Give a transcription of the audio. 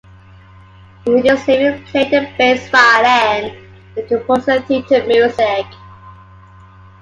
He made his living playing the bass violin and composing theater music.